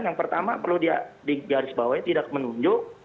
yang pertama perlu di garis bawahnya tidak menunjuk